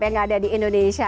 yang ada di indonesia